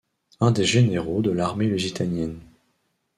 Un des généraux de l'armée lusitanienne.